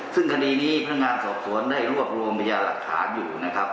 ซึ่งคดีนี้พนักงานสอบสนได้โรบรวมวัยากรหาอยู่